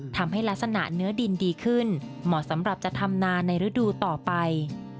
ทำให้ลักษณะเนื้อดินดีขึ้นเหมาะสำหรับจะทำนานในฤดูต่อไป